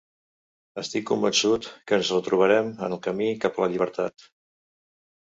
Estic convençut que ens retrobarem en el camí cap la llibertat.